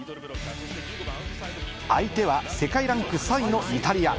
相手は世界ランク３位のイタリア。